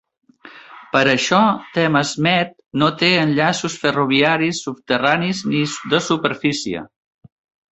Per això Thamesmead no té enllaços ferroviaris subterranis ni de superfície.